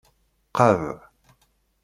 Qad.